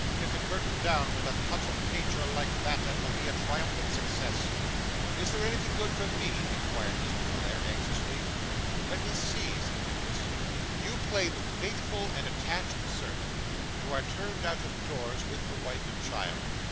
Get the curtain down with a touch of nature like that, and it'll be a triumphant success.' 'Is there anything good for me?' inquired Mr. Folair, anxiously. 'Let me see,' said Nicholas. 'You play the faithful and attached servant; you are turned out of doors with the wife and child.